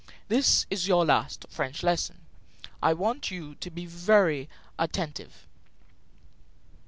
This is your last French lesson. I want you to be very attentive."